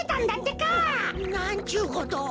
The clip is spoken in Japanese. なんちゅうことを。